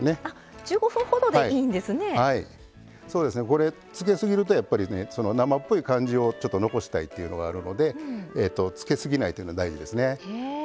これつけすぎるとやっぱりね生っぽい感じをちょっと残したいというのがあるのでつけすぎないというのが大事ですね。